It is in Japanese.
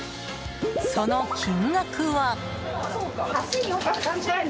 その金額は。